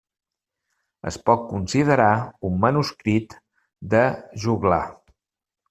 Es pot considerar un manuscrit de joglar.